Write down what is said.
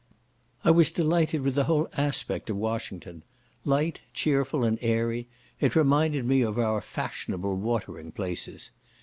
I was delighted with the whole aspect of Washington; light, cheerful, and airy, it reminded me of our fashionable watering places.